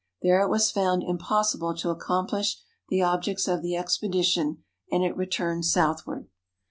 There it was found im possible to accomplish the objects of the expedition, and it returned southward.